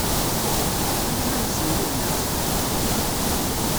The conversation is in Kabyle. Ufan iman-nsen yid-neɣ?